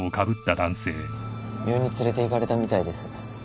病院に連れていかれたみたいです。